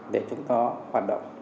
để chúng ta hoạt động